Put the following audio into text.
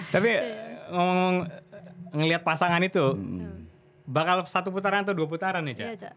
tapi ngeliat pasangan itu bakal satu putaran atau dua putaran nih caca